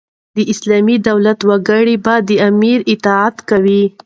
د اسلامي دولت وګړي به د امیر اطاعت کوي.